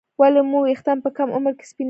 ولې مو ویښتان په کم عمر کې سپینېږي